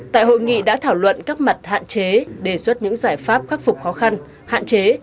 tại hội nghị đã thảo luận các mặt hạn chế đề xuất những giải pháp khắc phục khó khăn hạn chế